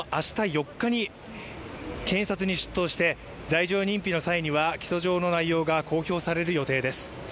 ４日に検察に出頭して罪状認否の際には起訴状の内容が公表される予定です。